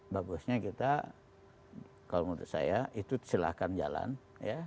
bagusnya kita kalau menurut saya itu silahkan jalan ya